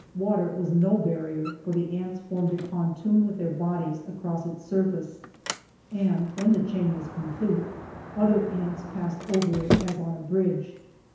Water was no barrier, for the ants formed a pontoon with their bodies across its surface, and when the chain was complete, other ants passed over it as on a bridge.